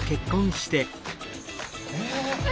え！